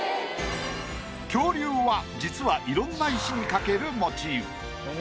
恐竜は実はいろんな石に描けるモチーフ。